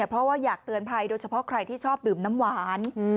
เพราะว่าอยากเตือนภัยโดยเฉพาะใครที่ชอบดื่มน้ำหวาน